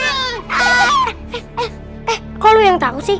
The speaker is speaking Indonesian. eh eh eh kok lo yang takut